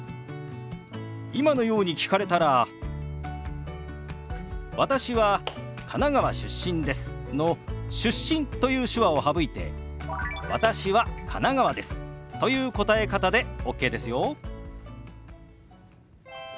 今のように聞かれたら「私は神奈川出身です」の「出身」という手話を省いて「私は神奈川です」という答え方でＯＫですよ。